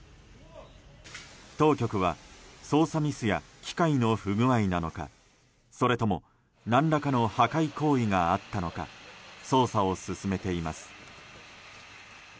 当局は操作ミスや機械の不具合なのかそれとも何らかの破壊行為があったのか捜査を進めています。